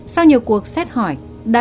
sau nhiều cuộc xét hỏi đạt vẫn không khai thác